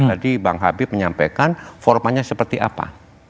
sebelumnya pak habib menyampaikan formanya seperti apa